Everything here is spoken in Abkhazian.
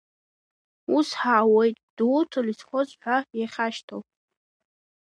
Ус ҳаауеит Гәдоуҭа лесхоз ҳәа иахьашьҭоу.